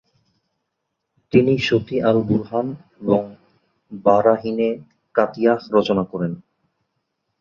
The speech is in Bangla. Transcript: তিনি সতি আল বুরহান এবং বারাহিনে কাতিয়াহ রচনা করেন।